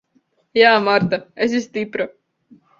Jā, Marta. Esi stipra.